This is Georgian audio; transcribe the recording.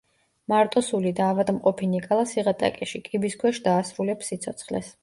მარტოსული და ავადმყოფი ნიკალა სიღატაკეში, კიბის ქვეშ დაასრულებს სიცოცხლეს.